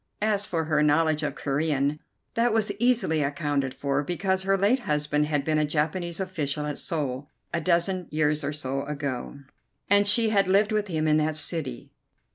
As for her knowledge of Corean, that was easily accounted for, because her late husband had been a Japanese official at Seoul a dozen years or so ago, and she had lived with him in that city.